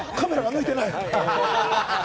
カメラが抜いてない。